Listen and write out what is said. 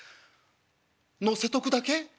乗せとくだけ？」。